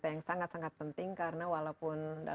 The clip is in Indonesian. saya nheng tekan bagian dari berita berikut